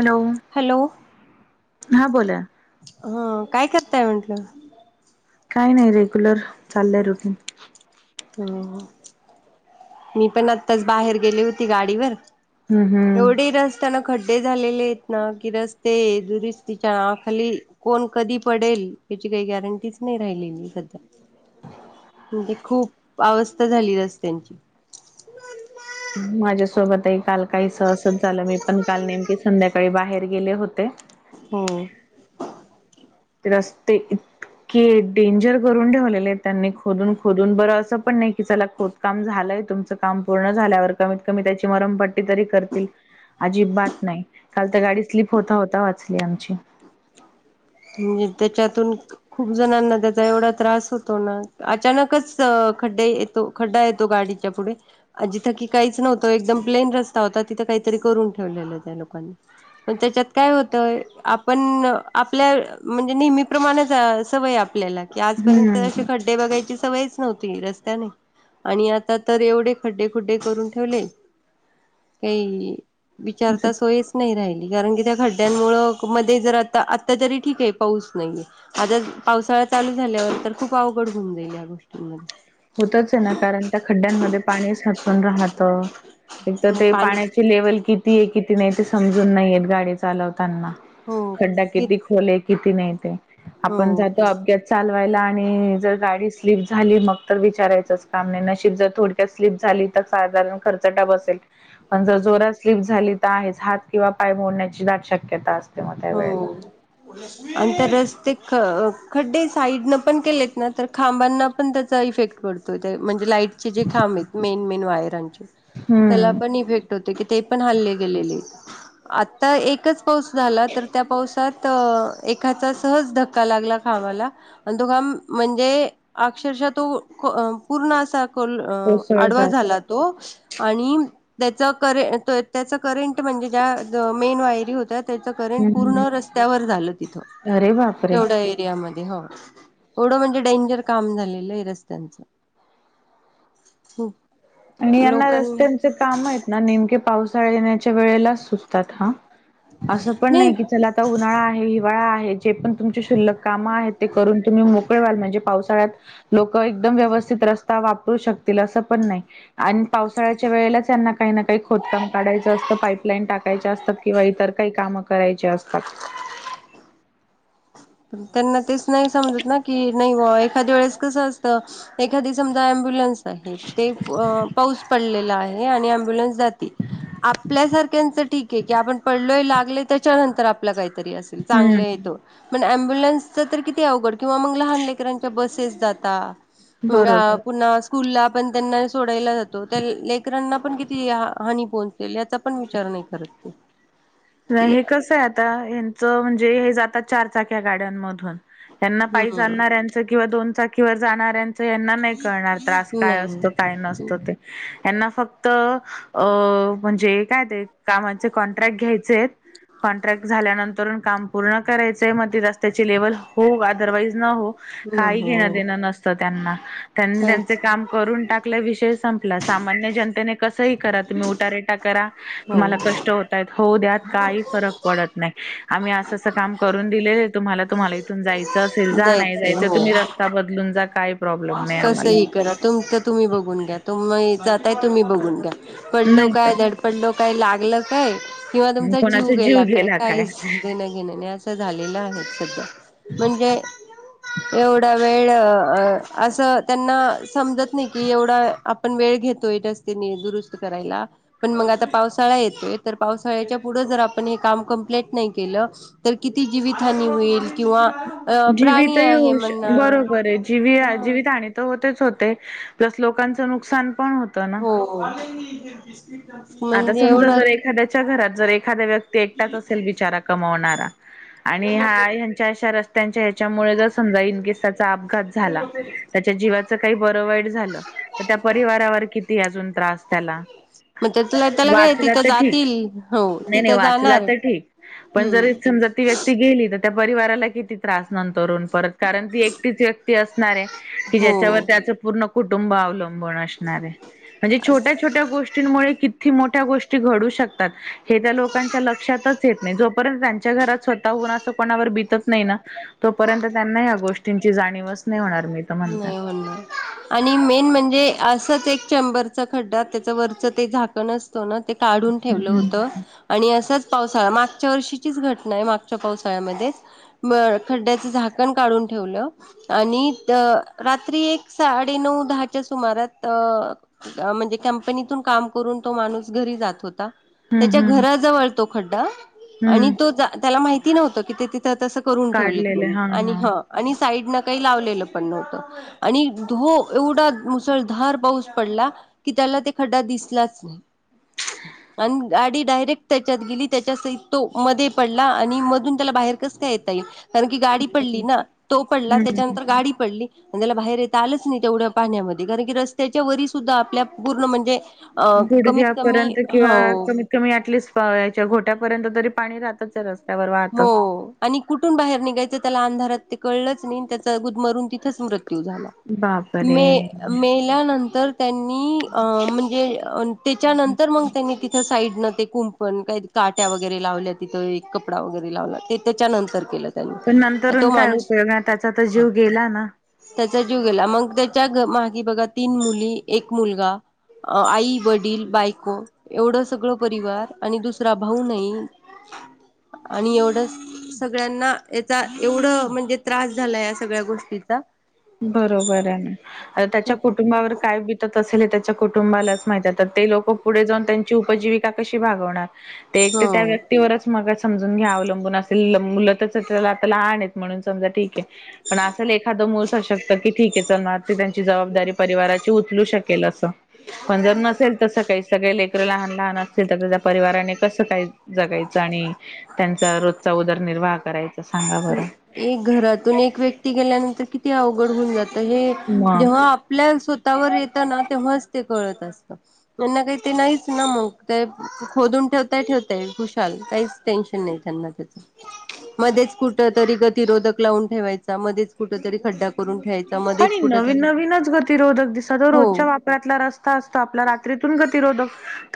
Hello hello. हा बोला. हा काय करताय म्हंटलं? काही नाही रेग्युलर, चाललंय रुटीन. हम्म. मी पण आत्ताच बाहेर गेली होती गाडीवर हम् हम् एवढी रस्त्यानं खड्डे झालेले आहेत ना, की रस्ते दुरुस्तीच्या खाली कोण कधी पडेल त्याची काही गॅरंटीच नाही राहिली नाही सध्या. म्हणजे खूप अवस्था झाली रस्त्यांची. माझ्यासोबतही काल काहीस असंच झालं मी पण काल नेमकी संध्याकाळी बाहेर गेले होते. हम्म. ते रस्ते इ के डेंजर करून ठेवलेले आहेत त्यांनी खोदून खोदून. बर असं पण नाही की चला खोदकाम झालंय तुमच काम पूर्ण झाल्यावर कमीत कमी त्याची मरमपट्टी तरी करतील. अजिबात नाही. काल तर गाडी स्लीप होता होता वाचली आमची. [inaudible] म्हणजे त्याच्यातून खूप जणांना त्याचा एवढा त्रास होतो ना अचानकच अं ख ते येतो खड्डा येतो गाडीच्या पुढे. जिथं की काहीच नव्हतं एकदम प्लेन रस्ता होता. तिथ काहीतरी करून ठेवलेलं त्या लोकांनी, पण त्याच्यात काय होतंय आपण आपल्या म्हणजे नेहमी प्रमाणच सवय आपल्याला की आजपर्यंत काय असे हम्म खड्डे बघायची चवच नव्हती रस्त्याने आणि आता तर एवढे खड्डे खुड्डे करून ठेवले काही विचारता सोयच नाही राहिली, कारण की त्या खड्ड्यांमुळे मध्ये जर आता आ आता तरी ठीके पाऊस नाहीये. आता पावसाळा चालू झाल्यावर तर खूप अवघड घुऊन जाईल या गोष्टींमध्ये. होतच आहे ना कारण त्या खड्ड्यांमध्ये पाणी साचून राहतं. एक तर हो ते पाणी पाण्याची लेवल किती आहे, किती नाही ते समजून नाहीयेत गाडी चालवत ताना हो खड्डा कि किती खोल आहे किती नाही ते. आपण हो कि जातो अपग्यात चालवायला आणि जर गाडी स्लिप झाली मग तर विचारायचच काम नाही नशीब जर नर थोडक्यात स्लीप झाली तर [unintelligible] जाऊन नुसतं खरचटा बसेल. आणि जर जोरात स्लिप झाली तर आहेच हात किंवा पाय मोडण्याची दाट शक्यता असते मग त्या हो वेळेला. आणिं ते रस्ते ख खड्डे साईडनं पण केलेत ना तर खांबांना पण त्याचा इफेक्ट पडतोय. ते म्हणजे लाईटचे जे खांब मेन मेन वायरांचे त्याला हम्म पण इफेक्ट होतं की ते पण हल्ले गेलेले. आता एकच पाऊस झाला तर त्या पावसात एखाचा सहज धक्का लागला खांबाला आणि तो खांब म्हणजे अक्षरशः तो अ पूर्ण असा अ कोसळ आडवा जात झाला तो आणि त्याच करे त्याच करेंट म्हणजे ज्या मेन वायरी होत्या त्याच करेंट पूर्ण हम्म रस्त्यावर झालं तिथ अरे बापरे! तेवढ्या एरियामध्ये हो थोडं म्हणजे डेंजर काम झालेलं आहे रस्त्यांच हो आणि यांना रस्त्यांचे काम आहेत ना नेमके पावसाळ्याने अस पण नाही की उन्हाळा आहे आहे जे पण तुम शल्क काम ते करून तुम्ही मोकळल म्हणजे पावसाळ्यात लोक एकदम व्यवस्थित रस्ता वापरू शकतील असं पण नाही आणि पावसाळ्याच्या वेळेलाच त्यांना काही ना काही खोदकाम काढायचं असतं पाईपलाईन टाकायच असतं किंवा तर काही काम करायचे असतात ह त्यांना तेच नाही समजत ना की नाही एखाद्या वेळेस कसं असतं एखादी समजा म्ब्युलन्स आहे ते पाऊस पडलेला आहे आणि आंबुलंस आपल्या सारख्यांचे ठीक आहे की आपण पडलोय लागलय त्यांतर आप का तरी असल चांगलं हम्म येतो ॲम्बुलन्स चा तर किती अवघड किंवा मग लहान लेकरांच्या बसेस जातात बरोबर. पुन्हा स्कूल ला पण त्यांना सोडायला जातो लेकरांना पण किती हानी पोहोचल याचा पण विचार नाही करत कि नाही हे कस आहे आता यांच म्हणजे हे जातात चार चाक्या गाड्यांमध त्यां पाई हम्म चालच किंवा दोन चाकी जाऱ यांना नाही करणार त्रास काय नाही असतो काय नसतो ते त्यांना फक्त अ म्हणजे काय ते कामाचे कॉन्ट्रॅक्ट घ्यायचे कॉन्ट्रॅक्ट झाल्यानंतर मग काम पूर्ण करायचे आहे. त्याची लेवल हो अदरवाइज न हो न काही घेणं हो देणं नसतं त्यांना त्यांनी त्यांचे जायच काम करून टाकलं विषय संपला. सामान्य जनतेने कस करा तुम्ही उटारेटा करा. तुम्हाला हो कष्ट होतायत. होवूद्या. काही फरक पडत नाही. आम्ही अस अस काम करून दिलेल आहे. तुम्हाला तुम्हाला इथून जायचं असेल जा. नाही जायचं तुम्ही रस्ता बदलून जा. काय कस ही करा तुमच तुम्ही बघून घ्या. तुम्ही जाताय तुम्ही बघून घ्या. पडलो नाही तर काय? धडपडलो काय? लागलं काय? किंवा तुमचा जीव गेला काय? काही देणं घेण नाही असं झालेलं आहे सध्या. म्हणजे एवढा वेळ असं त्यांना समजत नाही कि, एवढा आपण वेळ घेतोय रस्ते दुरुस्त करायला. पण मग आता पावसाळा येतोय. तर पावसाळ्याच्या पुढ जर आपण हे काम कंप्लीट नाही केलं. किती जीवितहानी होईल किंवा अ प्राणी जीवितही आहे होऊ शकते. म्हणणा बरोबर आहे. जीवी ह जीवित हानी तर होतेच होते. प्लस लोकांच नुकसान पण होतं ना. हो आता म्हणजे समजा, एवढं जर एखाद्याच्या घरात जर एखाद्या व्यक्ती एकटाच असेल बिचारा कमवणारा. आणि हा ह्यांच्या अशा रस्त्यांच्या ह्याच्यामुळे जर समजा इन केस त्याचा अपघात झाला. त्याच्या जीवाचं काही बरं वाईट झालं. तर त्या परिवारावर किती अजून त्रास त्याला? मग त्याला काय वाचला तिथं तर ठीक. जातील हो नाही नाही तिथं वाचला जाणार तर ठीक पण जर हम्म समजा, ती व्यक्ती गेली. त्या परिवाराला किती त्रास नंतर? परत कारण ती एकटीच व्यक्ती असणार आहे की ज्याच्यावर हो त्याचं पूर्ण कुटुंब अवलंबून बळ असणार आहे. छोट्या छोट्या गोष्टींमुळे मोठ्या गोष्टी घडू शकतात. हे त्या लोकांच्या लक्षातच येत नाही. जोपर्यंत त्यांच्या घरात स्वतः कोणाच कोणावर बीतत नाही ना तोपर्यंत त्यांना या गोष्टींची जाणीवच नाही होणार मी तर म्हणते. नाही म्हणणार आणि मेन म्हणजे असच एक चेंबरचा खड्डा त्याच वरचं ते झाकण असतो ना.. ते काढून ठेवलं होत आणि असच पाऊस मागच्या वर्षीचीच घटना आहे. मागच्या पावसाळ्यामध्येच खड्ड्याच झाकण काढून ठेवलं. आणि रात्री एक साडे नऊ दहाच्या सुमारात म्हणजे कंपनीतून काम करून तो माणूस घरी जात होता. हम्म त्याच्या हम्म घराजवळ तो खड्डा आणि हम्म तो त्याला माहिती नव्हत की, ते तिथं तसं करून ठेवलंय काढलेले हा हा म्हणून आणि साइडने काही लावलेलं पण न्हवत. आणि धो एवढा मुसळधार पाऊस पडला. की त्याला ते खड्डा दिसलाच नाही आणि गाडी डायरेक्ट त्याच्यात गेली. त्याच्यासह तो मध्ये पडला आणि मधून त्याला बाहेर कस काय येता येईल? कारण की गाडी पडली ना. तो पडला हम्म हम्म. त्याच्यानंतर गाडी पडली. आणि त्याला बाहेर येता आलंच नाही. तेवढ्या पाहण्यामध्ये कारण की, रस्त्याच्या वरी सुद्धा आपल्या पूर्ण म्हणजे अ कमीत कमी गुडघ्यापर्यंत किंवा हो कमीत कमी अटलिस्ट पायच्या घोट घोट्यापर्यंत तरी पाणी राहतच रस्त्यावर वाहत. हो आणि कुठून बाहेर निघायचं. त्याला अंधारात ते कळलंच नाही. त्याचा गुदमरून तिथंच मृत मृत्यू झाला. मे बापरे! मेल्यानंतर त्यांनी अ म्हणजे त्याच्यानंतर मग त्यांनी तिथ साईड न कुंपण, काही काट्या वगैरे लावल्या. तिथं एक कपडा वगैरे लावला ते त्याच्यानंतर केलं. पण नंतरून तो काय माणूस उपयोग ना त्याचा तर जीव गेला ना. त्याचा जीव गेला. मग त्या त्याच्या मागे बघा तीन मुली, एक मुलगा आई, वडील, बायको एवढं सगळं परिवार आणि दुसरा भाऊ नाही. [inaudible] आणि एवढं सगळ्यांना याचा एवढं म्हणजे त्रास झाला, या सगळ्या गोष्टीचा बरोबर आहे ना आ त्याच्या खूप कुटुंबावर काय बत तल त्याच्या कुटुंबालाच माहित आता तर, ते लोक पुढे जाऊन त्यांची उपजीविका कशी भागवणार. ते एकटे त्या हो व्यक्तीवरच मग समजून घ्या अवलंबून असेल मुल तर चला आता लहान म्हणून समा ठीके पण असा एखाद मूल किती जबाबदारी परिवाराची उचलू शकेल असं. काही सगळे लेकर लहान लहान असतील तर, त्या त्या परिवाराने कसं काही जगायचं. आणि त्यांचा रोजचा उदरनर्वाह करायच. एक घरातून एक व्यक्ती गेल्यानंतर किती अवघड होऊन जात. हे मग जेव्हा आपल्या स्वतःवर येतं ना तेव्हा ते कळत असत त्यांना काही ते नाहीच ना मग ते खोदून ठेवता ठेवताय खुशाल कायच टेन्शन नाही त्यांना त्याचा मध्येच कुठ तरी गतिरोधक लावून ठेवायचा मध्येच कुठ तरी खड्डा करून ठेयचा. अर नवीन नवीनच गतिरोधक दिसत, तो हो रोजच्या वापरातला रस्ता असतो, आपला रात्रीतून गतिरोधक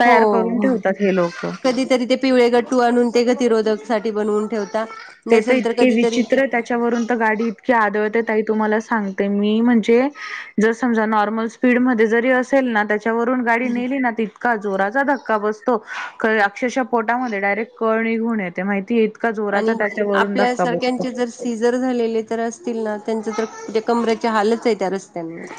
तयार करून हो ठेवतात हे लोक. कधीतरी ते पिवळे गटू आणून ते गतरोधक सा बनवून ठेवता नसेल तर. की कधीतरी विचित्र ते आहे त्याच्यावरून तर गाडी इतकी आदळते, तुम्हाला सांगते. ते मी मनजे जस समजा नॉर्मल स्पीडमध्ये असेल. त्याच्या वरून जर गाडी नेली ना तितका जोराचा धक्का बसतो. अक्षरशः पोटामध्ये डायरेक्ट कळ निघून येते. माहितीेत का जोराचा आणि त्याच्यावरून धक्का बसतो. आपल्यासारख्यांचे जर सीझर झालेले तर असतील ना. त्यांच तरे कमरच्या हालच आहे त्या रस्त्यांमध्ये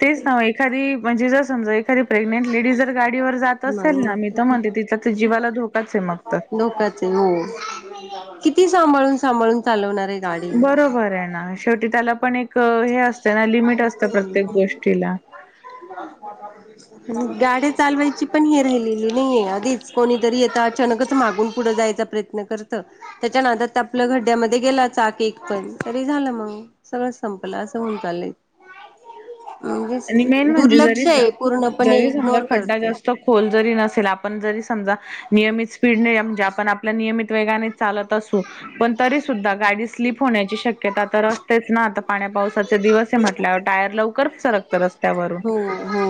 तेच ना एखादी म्हणजे जर समजा री प्रेग्नेंट लेडी जर गाडीवर जात असेल ना, मी तर म्हणते तिथ तर जीवाला धोकाच आहे मागत. धोकाच किती सांभळून सांभळून चालवणार आहे. गाडी बरोबर आहे ना शेवटी त्याला पण एक हे असतं ना लिमिट असतं ह् प्रत्येक गोष्टीला. हम्. गाड्या चालवायची पण हे राहिलेली नाहीये. आधीच कोणीतरी आता अचानकच मागून पुढं जायचा प्रयत्न करता. त्याच्या नादात आप खड्या मध्ये गेलाक पण तरी झालं मग सगळ संपलं अस. होऊन चालले आणि मेन म्हणजे जरी पूर्णपणे जरी समजा इग्नोर खड्डा करताय ते जास्त खोल जरी नसेल आप.. सज नि समजा आप आप नियमित पणे वेगा चालत असूण तरी... सुद्धा गाडी स्लीप होण्याची शक्यताता रस्तेच ना आता पाण्या पावसाचे दिवस आहे म्हटल्यावर टायर लवकर सरक... हो हो...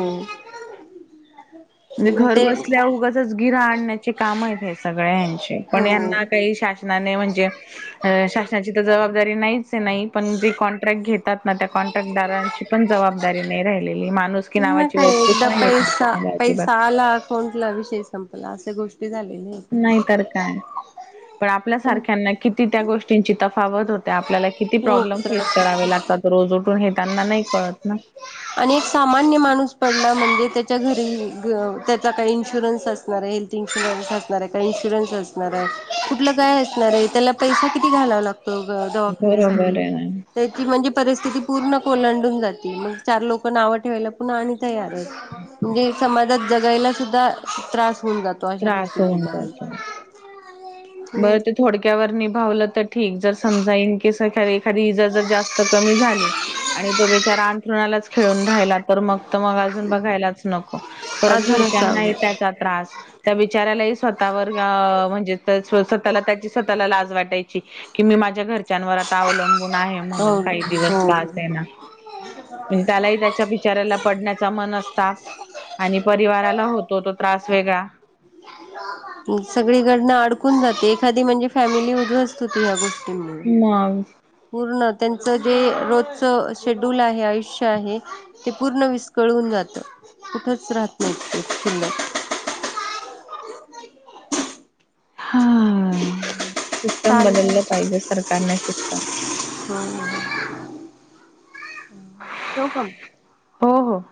म्हणजे मग घर ते बसल्या उगाच गिर आणण्याचे काम आहेत हे सगळ्यां... पण हो यांना काही शासकीय.. शासनाने म्हणजे शासनाची जारी नाही नाही पण जे कॉन्ट्रॅक्ट घेत. कॉन्ट्रॅक्टदारांची पण जबाबदारी नाही राहिलेली माणूस की नावाची वस्तूच नाहीये त्यां.. साला अकाउंटला विषय संपला अशा गोष्टी झालेल्या आहेत नाही तर काय... पण आपल्यासारख्यांना किती त्या गोष्टींची तफावत होते. आपल्याला किती खूप प्रॉब्लेम फेस त्रास करावे लागतात रोज उठून हेताना नाही कळत ना.. आणि एक सामान्य माणूस पडला म्हणजे त्याच्या घरी त्याचा काही इन्शुरन्स असणार आहे. हेल्थ इन्शुरन्स असणार आहे काय इन्शुरन्स असणार आहे कुठलं काय असणार आहे त्याला पैसा किती घालावा लागत. बरोबर दवाखान्यासाठी आहे ना त्याची म्हणजे परिस्थिती पूर्ण कोलांडून जाते मग.. चार लोक नावं ठेवायला पुन्हा आणि तयार आहे म्हणजे समाजात जगायला सुद्धा त्रास... होऊन जातो अशा त्रास गोष्टी होऊन घडल्याळात... जातो. बरं ते थोडक्यावर निभावलं तर... ठीक जर समजाईन केस एखा एखादी इजा जर जास्त कमी झाली आणि तो बेचारा अंथरुणाच खेळून राहिला तर मग तर मग अजून बघायलाच नको परत अजूनच घरच्यांनाही अवघड त्रास त्या बिचार्‍यालाही स्वतःला त्रास.. वर गाव म्हणजे त स्वतःला त्याची स्वतःला लाज वाटायची की माझ्या घर घरच्यांवर आता अवलंबून आहे म्हणून काही दिवस का स त्याना त्यालाही त्याच्या बिचारऱ्याला पडण्याचा मन असता आणि परिवाराला होत तो तो त्रास वेगळा सगळीकडंन अडकून जाते एखादी म्हणजे फॅमिली मधून मग पूर्ण त्यांचं जे रोजचं शेड्यूल आहे आयुष्य आहे ते पूर्ण विस्कळून जातं. कुठच राहत नाहीत ते शिल्लक.. हां.... सिस्टम चालेल बदललं पाहिजे सरकारने सिस्टम... हम्म शो कम... हो हो.